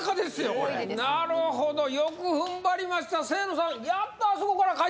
これなるほどよくふんばりました清野さんいやー